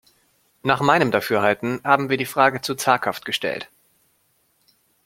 Nach meinem Dafürhalten haben wir die Frage zu zaghaft gestellt.